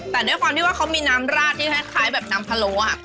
แต่ด้วยความที่ว่าเขามีน้ำราดที่คล้ายแบบน้ำพะโล